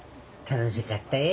楽しかったえ。